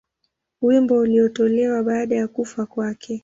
Wimbo ulitolewa baada ya kufa kwake.